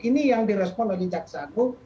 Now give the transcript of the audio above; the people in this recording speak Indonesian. ini yang direspon oleh jaksaku